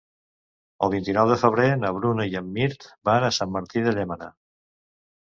El vint-i-nou de febrer na Bruna i en Mirt van a Sant Martí de Llémena.